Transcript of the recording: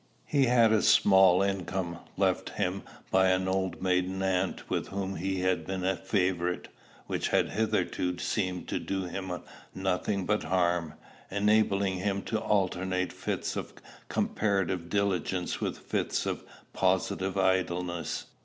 He had a small income, left him by an old maiden aunt with whom he had been a favorite, which had hitherto seemed to do him nothing but harm, enabling him to alternate fits of comparative diligence with fits of positive idleness.